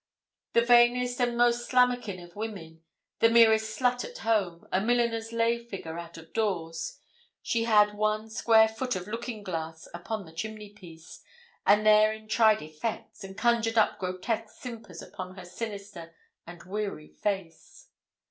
The vainest and most slammakin of women the merest slut at home, a milliner's lay figure out of doors she had one square foot of looking glass upon the chimneypiece, and therein tried effects, and conjured up grotesque simpers upon her sinister and weary face.